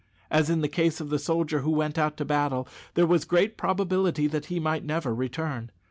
As in the case of the soldier who went out to battle, there was great probability that he might never return.